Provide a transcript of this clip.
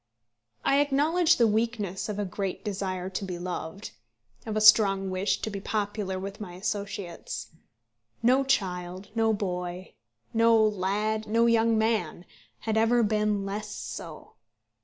I acknowledge the weakness of a great desire to be loved, of a strong wish to be popular with my associates. No child, no boy, no lad, no young man, had ever been less so.